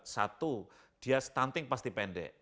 satu dia stunting pasti pendek